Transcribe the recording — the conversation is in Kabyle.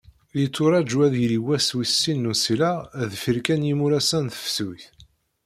Yetturaǧu ad yili wass wis sin n usileɣ deffir kan n yimuras-a n tefsut.